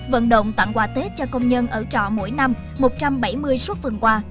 vận động tặng quà tết cho công nhân ở trọ mỗi năm một trăm bảy mươi xuất phần quà